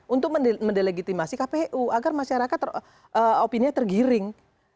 itu mendelegitimasi kpu agar masyarakat opini tergiring